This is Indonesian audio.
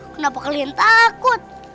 kenapa kalian takut